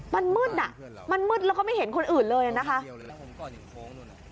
มันมืดอ่ะมันมืดแล้วก็ไม่เห็นคนอื่นเลยนะคะ